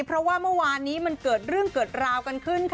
เพราะว่าเมื่อวานนี้มันเกิดเรื่องเกิดราวกันขึ้นค่ะ